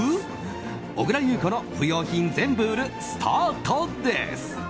小倉優子の不要品全部売るスタートです！